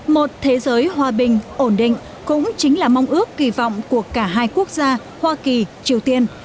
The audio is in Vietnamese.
một thế giới hòa bình ổn định cũng chính là mong ước kỳ vọng của cả hai quốc gia hoa kỳ triều tiên